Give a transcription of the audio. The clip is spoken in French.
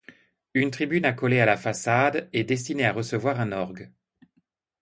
Une tribune accolée à la façade est destinée à recevoir un orgue.